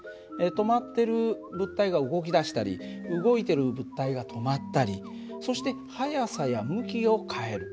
止まってる物体が動き出したり動いてる物体が止まったりそして速さや向きを変える。